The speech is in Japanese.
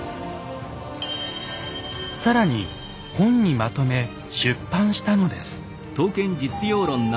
更に本にまとめ出版したのです。